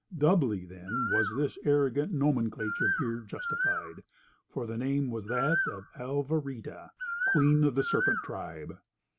Doubly, then, was this arrogant nomenclature here justified; for the name was that of "Alvarita, Queen of the Serpent Tribe."